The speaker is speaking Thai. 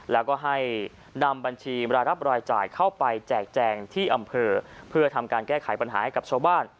แล้วก็ให้นำบัญชีรายรับรายจ่ายเข้าไปแจกแจงที่อำเภอเพื่อทำการแก้ไขปัญหาให้กับชาวบ้าน